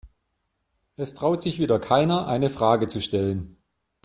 Es traut sich wieder keiner, eine Frage zu stellen.